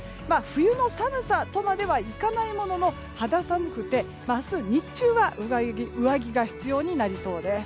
冬の寒さとまではいかないものの肌寒くて、明日日中は上着が必要になりそうです。